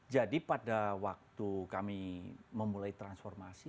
jadi pada waktu kami memulai transformasi